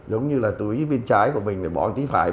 giống như là túi bên trái của mình thì bỏ một tí phải